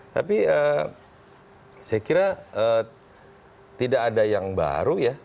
tapi saya kira tidak ada yang baru ya